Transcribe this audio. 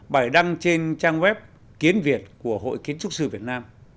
bài đăng trên trang web kiến việt của hội kiến trúc sư việt nam